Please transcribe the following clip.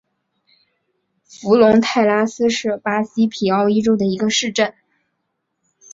弗龙泰拉斯是巴西皮奥伊州的一个市镇。